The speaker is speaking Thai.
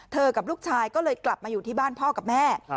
กับลูกชายก็เลยกลับมาอยู่ที่บ้านพ่อกับแม่